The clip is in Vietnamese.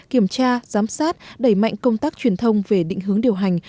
kiểm tra giám sát đẩy mạnh công tác truyền thông về định hướng điều hành